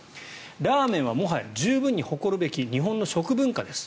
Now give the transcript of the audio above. ラーメンはもはや十分に誇るべき日本の食文化です。